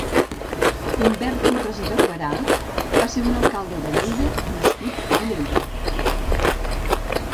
Humbert Torres i Barberà va ser un alcalde de Lleida nascut a Lleida.